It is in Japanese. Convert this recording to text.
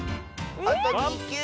あと２きゅう。